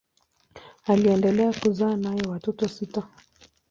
Aliendelea kuzaa naye watoto sita.